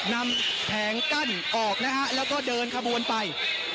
แผงกั้นออกนะฮะแล้วก็เดินขบวนไป